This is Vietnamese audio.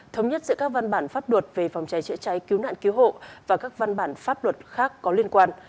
thống nhất giữa các văn bản pháp luật về phòng cháy chữa cháy cứu nạn cứu hộ và các văn bản pháp luật khác có liên quan